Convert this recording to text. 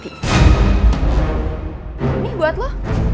ini buat lo